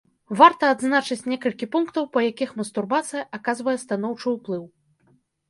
Варта адзначыць некалькі пунктаў, па якіх мастурбацыя аказвае станоўчы ўплыў.